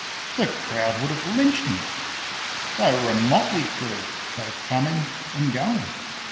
The crowd would have lynched him. They were a motley crew, both coming and going.